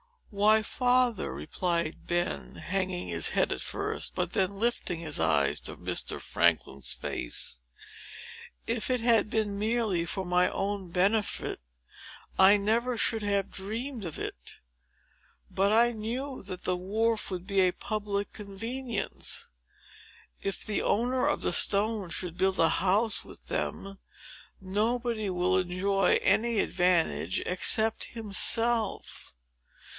"Why, father," replied Ben, hanging his head, at first, but then lifting his eyes to Mr. Franklin's face, "if it had been merely for my own benefit, I never should have dreamed of it. But I knew that the wharf would be a public convenience. If the owner of the stones should build a house with them, nobody will enjoy any advantage except himself.